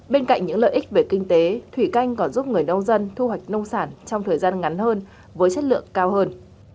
bên cạnh những lợi ích về kinh tế thủy canh còn giúp người nông dân thu hoạch nông sản trong thời gian ngắn hơn với chất lượng cao hơn